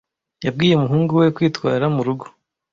Yabwiye umuhungu we kwitwara mu rugo.